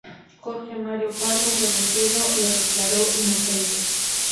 Jorge Mario Pardo Rebolledo le declaró inocente.